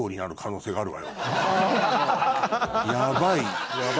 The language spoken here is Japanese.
ヤバい。